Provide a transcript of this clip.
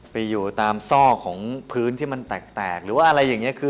ไปอยู่ตามซอกของพื้นที่มันแตกหรือว่าอะไรอย่างนี้